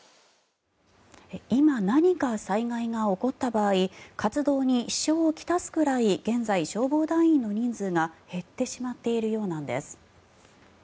今、何か災害が起こった場合活動に支障を来すくらい現在、消防団員の人数が減ってしまっているようです。